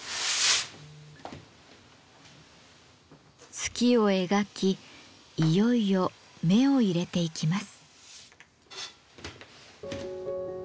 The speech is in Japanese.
月を描きいよいよ目を入れていきます。